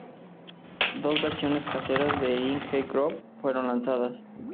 Dos versiones caseras de In The Groove fueron lanzadas.